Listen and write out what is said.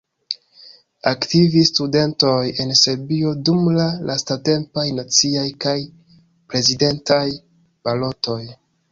Aktivis studentoj en Serbio dum la lastatempaj naciaj kaj prezidentaj balotoj.